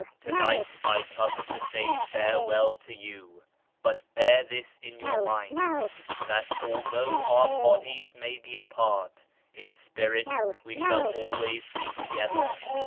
To night I come to say farewell to you but bear this in your minds, that although our bodies may be far apart, in spirit we shall always be together.